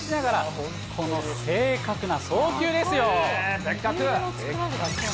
本当、この正確な送球ですよ。